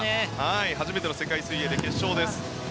初めての世界水泳で決勝です。